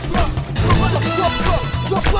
ya ya udah hemen